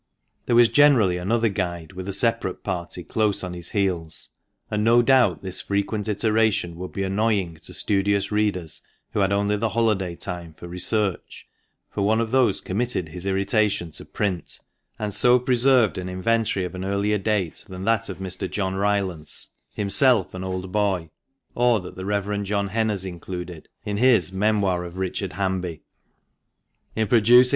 There was generally another guide with a separate party close on his heels, and no doubt this frequent iteration would be annoying to studious readers who had only the holiday time for research, for one of these committed his irritation to print, and so preserved an inventory of an earlier date than that of Mr. John Rylance (himself an "old boy") or that the Rev. John Henn has included in his :; Memoir of Richard Hanby;' In producing 470 FINAL APPENDIX.